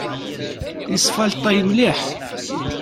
Isfalṭay mliḥ.